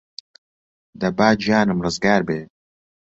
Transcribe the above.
دەبا گیانم رزگار بێ